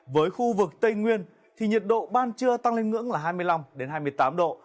với khu vực tây nguyên thì nhiệt độ ban trưa tăng lên ngưỡng là hai mươi năm hai mươi tám độ